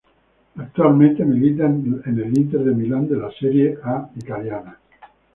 Actualmente milita en la Inter de Milán de la Serie A italiana.